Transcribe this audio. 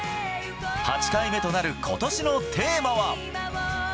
８回目となることしのテーマは。